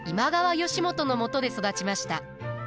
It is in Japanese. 義元のもとで育ちました。